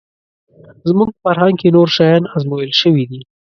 زموږ فرهنګ کې نور شیان ازمویل شوي دي